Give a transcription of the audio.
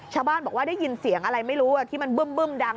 ชาวบ้านบอกว่าได้ยินเสียงอะไรไม่รู้ที่มันบึ้มดัง